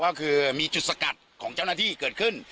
ก็คือมีจุดสกัดของเจ้าหน้าที่เกิดขึ้น